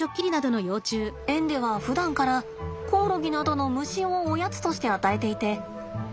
園ではふだんからコオロギなどの虫をおやつとして与えていてこのどんぐり